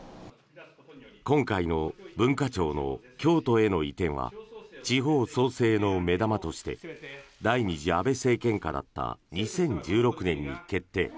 今回の文化庁の京都への移転は地方創生の目玉として第２次安倍政権下だった２０１６年に決定。